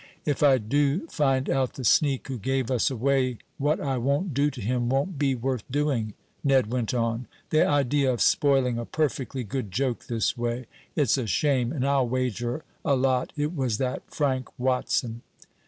"If I do find out the sneak who gave us away what I won't do to him won't be worth doing," Ned went on. "The idea of spoiling a perfectly good joke this way! It's a shame, and I'll wager a lot it was that Frank Watson!"